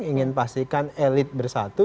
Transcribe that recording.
ingin pastikan elit bersatu